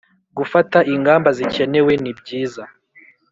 gufata ingamba zikenewe nibyiza